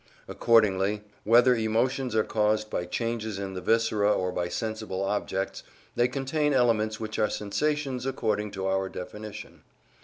Accordingly, whether emotions are caused by changes in the viscera or by sensible objects, they contain elements which are sensations according to our definition.